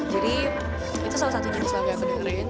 jadi itu salah satu jenis yang aku dengerin